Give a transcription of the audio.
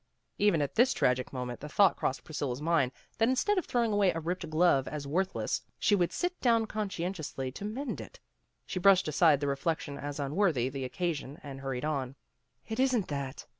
Even at this tragic moment the thought crossed Priscilla 's mind that instead of throwing away a ripped glove as worthless, she would sit down conscientiously to mend it. She brushed aside the reflection as unworthy the occasion and hurried on, "It isn't that.